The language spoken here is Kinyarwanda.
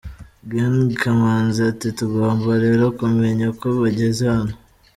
Gen Kamanzi ati: “Tugomba rero kumenya uko bageze hano.